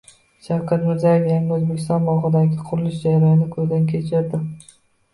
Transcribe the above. Shavkat Mirziyoyev “Yangi O‘zbekiston” bog‘idagi qurilish jarayonini ko‘zdan kechirdi